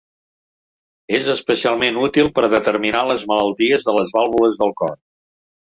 És especialment útil per determinar les malalties de les vàlvules del cor.